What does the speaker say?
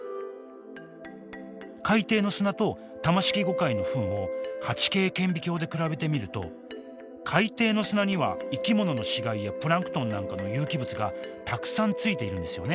海底の砂とタマシキゴカイのフンを８Ｋ顕微鏡で比べてみると海底の砂には生き物の死骸やプランクトンなんかの有機物がたくさんついているんですよね。